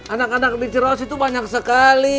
anak anak di ciroas itu banyak sekali